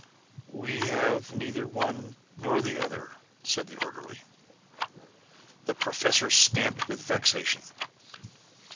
"We have neither one nor the other," said the orderly. The professor stamped with vexation.